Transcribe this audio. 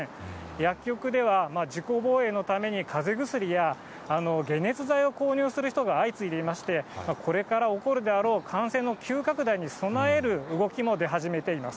薬局では自己防衛のために、かぜ薬や解熱剤を購入する人が相次いでいまして、これから起こるであろう、感染の急拡大に備える動きも出始めています。